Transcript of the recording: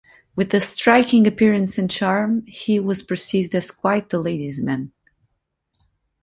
With a striking appearance and charm, he was perceived as quite the ladies man.